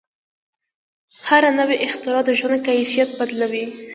هره نوې اختراع د ژوند کیفیت بدلوي.